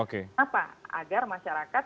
kenapa agar masyarakat